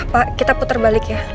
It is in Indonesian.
pak kita putar balik ya